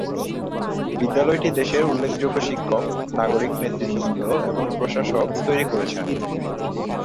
বিদ্যালয়টি দেশের উল্লেখযোগ্য শিক্ষক, নাগরিক নেতৃবৃন্দ এবং প্রশাসক তৈরি করেছে।